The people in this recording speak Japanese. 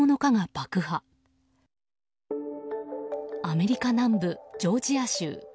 アメリカ南部ジョージア州。